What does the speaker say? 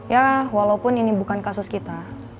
ya walaupun ini bukan kasus kita